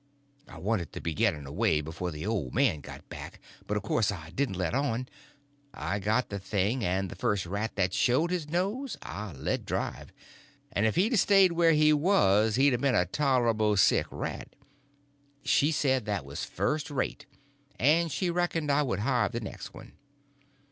I wanted to be getting away before the old man got back, but of course I didn't let on. I got the thing, and the first rat that showed his nose I let drive, and if he'd a stayed where he was he'd a been a tolerable sick rat. She said that was first rate, and she reckoned I would hive the next one.